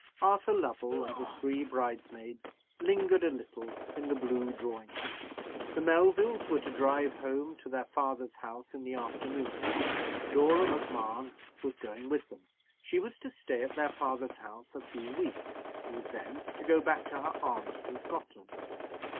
Arthur Lovell and the three bridesmaids lingered a little in the blue drawing room. The Melvilles were to drive home to their father's house in the afternoon, and Dora Macmahon was going with them. She was to stay at their father's house a few weeks, and was then to go back to her aunt in Scotland.